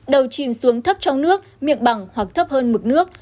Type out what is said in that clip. đầu chìm xuống thấp trong nước miệng bằng hoặc thấp hơn mực nước